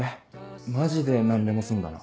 マジで何でもすんだな